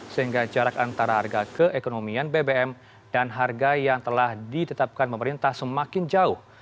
sehingga jarak antara harga keekonomian bbm dan harga yang telah ditetapkan pemerintah semakin jauh